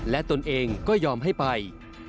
และตนเองก็ยอมให้ไป